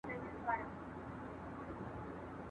راوړي يې دې ښار ته څـــــــــــو لاشونه نامعلوم دي